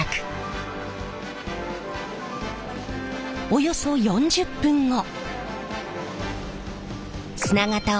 およそ４０分後。